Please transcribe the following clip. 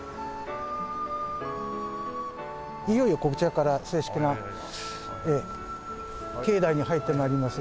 いよいよこちらから正式な境内に入って参りますが。